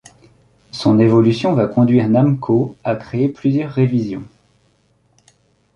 Son évolution va conduire Namco à créer plusieurs révisions.